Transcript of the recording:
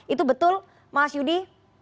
itu betul mas yudi